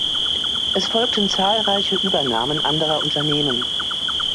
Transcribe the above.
Es folgten zahlreiche Übernahmen anderer Unternehmen.